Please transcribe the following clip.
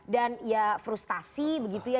dan ya frustasi begitu ya